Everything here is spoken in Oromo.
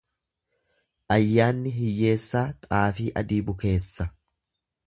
Ayyaanni hiyyeessaa xaafii adii bukeessa.